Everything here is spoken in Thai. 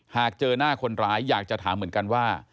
หากเจอหน้าคนร้ายอยากจะถามเหมือนกันว่า